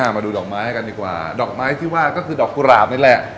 มาดูดอกไม้กันดีกว่าดอกไม้ที่ว่าก็คือดอกกุหลาบนี่แหละ